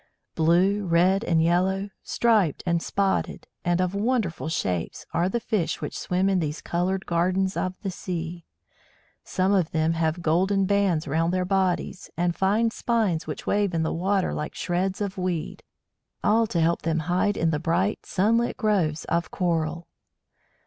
Blue, red and yellow, striped and spotted, and of wonderful shapes, are the fish which swim in these coloured gardens of the sea. Some of them have golden bands round their bodies, and fine spines which wave in the water like shreds of weed all to help them hide in the bright, sunlit groves of Coral.